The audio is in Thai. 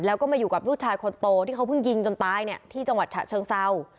แล้วก็มาอยู่กับลูกชายคนโตที่เขาเพิ่งยิงจนตายเนี่ยที่จังหวัดฉะเชิงเศร้า